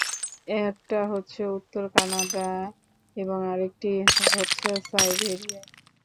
একটা হচ্ছে উত্তর কানাডায় এবং আরেকটি ঘটছে সাইবেরিয়ায়।